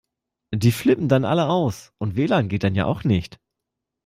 Die flippen dann alle aus. Und W-Lan geht dann ja auch nicht.